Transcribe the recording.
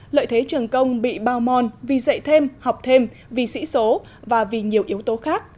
lợi thế trường công bị bao mòn vì dạy thêm học thêm vì sĩ số và vì nhiều yếu tố khác